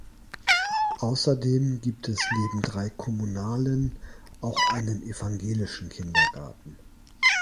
Außerdem gibt es neben drei kommunalen auch einen evangelischen Kindergarten.